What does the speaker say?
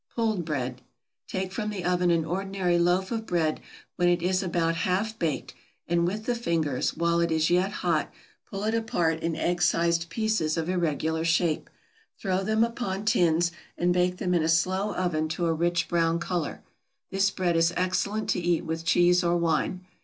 =Pulled Bread.= Take from the oven an ordinary loaf of bread when it is about half baked, and with the fingers, while it is yet hot, pull it apart in egg sized pieces of irregular shape; throw them upon tins, and bake them in a slow oven to a rich brown color. This bread is excellent to eat with cheese or wine.